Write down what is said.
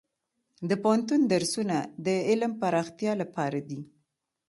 د پوهنتون درسونه د علم پراختیا لپاره دي.